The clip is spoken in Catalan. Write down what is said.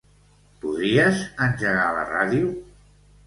Podries engegar la ràdio?